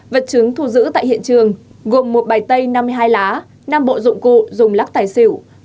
vật chứng thu giữ tại hiện trường gồm một bài tay năm mươi hai lá năm bộ dụng cụ dùng lắc tài xỉu